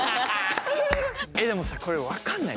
でもさこれ分かんない？